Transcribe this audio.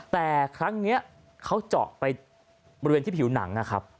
แต่ครั้งนี้เขาเจาะไปบริเวณที่ผิวหนังนะครับ